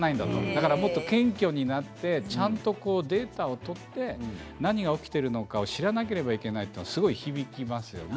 だからもっと謙虚になってちゃんとデータを取って何が起きているのかを知らなければいけないとすごく響きますよね。